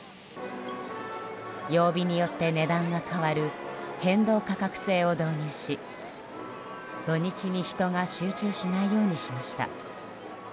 曜日によって値段が変わる変動価格制を導入し土日に人が集中しないようにしました。